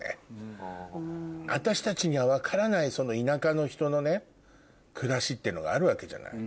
私たちには分からない田舎の人の暮らしってのがあるわけじゃない。